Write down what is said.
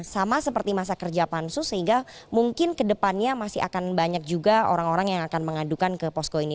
sama seperti masa kerja pansus sehingga mungkin kedepannya masih akan banyak juga orang orang yang akan mengadukan ke posko ini